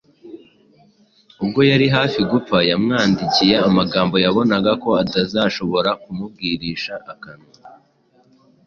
ubwo yari hafi gupfa yamwandikiye amagambo yabonaga ko atazashobora kumubwirisha akanwa